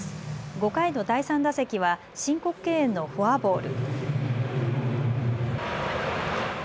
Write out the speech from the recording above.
５回の第３打席は申告敬遠のフォアボール。